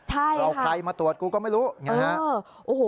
ใช่เอาใครมาตรวจกูก็ไม่รู้นะฮะ